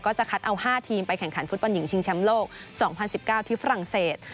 ก็จะคัดเอา๕ทีมไปแข่งขันฟุตบอลหญิงชิงแชมป์โลก๒๐๑๙ที่ฝรั่งเศส